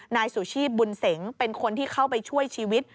นายสุชีพบุญเสงเป็นคนที่เข้าไปช่วยชีวิต